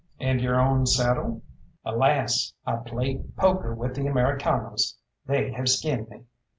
"And your own saddle?" "Alas! I played poker with the Americanos. They have skinned me."